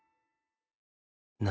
何？